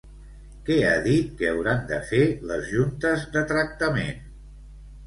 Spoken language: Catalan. Què ha dit que hauran de fer les juntes de tractament?